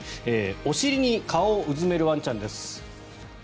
お尻に顔をうずめるワンちゃんです。